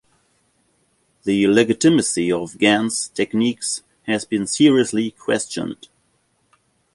The legitimacy of Gann's techniques has been seriously questioned.